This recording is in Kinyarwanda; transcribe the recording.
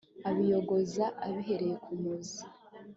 abiyogoza abihereye ku muzi